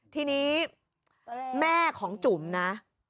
ทีนี้แม่ของจุ๋มนะ